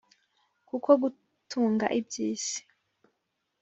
kuko gutunga iby’isi